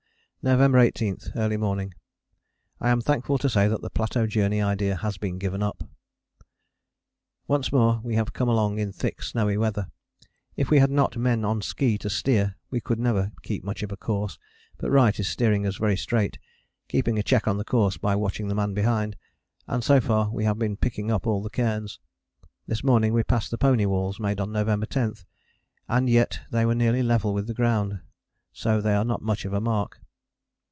November 18. Early morning. I am thankful to say that the plateau journey idea has been given up. Once more we have come along in thick, snowy weather. If we had not men on ski to steer we could never keep much of a course, but Wright is steering us very straight, keeping a check on the course by watching the man behind, and so far we have been picking up all the cairns. This morning we passed the pony walls made on November 10. And yet they were nearly level with the ground; so they are not much of a mark.